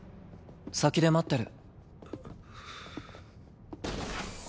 先で待ってる。